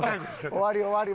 終わり終わり。